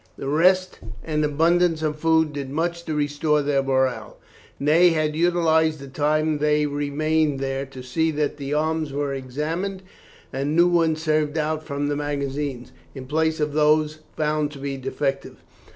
The rest and abundance of food did much to restore their morale. Ney had utilized the time they remained there to see that the arms were examined, and new ones served out from the magazines in place of those found to be defective.